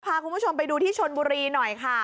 พาคุณผู้ชมไปดูที่ชนบุรีหน่อยค่ะ